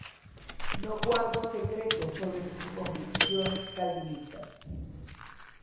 No guardo secreto sobre sus convicciones calvinistas.